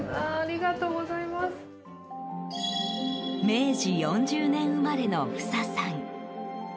明治４０年生まれのフサさん。